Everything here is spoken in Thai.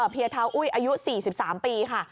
เพียทาอุ้ยอายุ๔๓ปีค่ะ